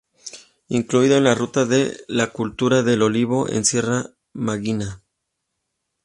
Incluido en la Ruta de la Cultura del Olivo en Sierra Mágina.